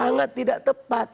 sangat tidak tepat